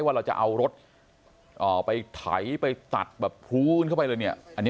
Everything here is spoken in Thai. ว่าเราจะเอารถไปไถไปตัดแบบพลูกันเข้าไปเลยเนี่ย